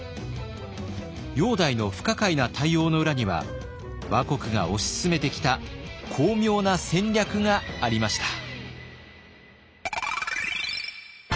煬帝の不可解な対応の裏には倭国が推し進めてきた巧妙な戦略がありました。